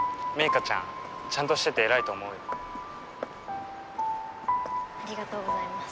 花ちゃんちゃんとしてて偉いと思うよありがとうございます